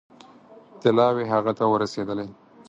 طلاوې هغه ته ورسېدلې.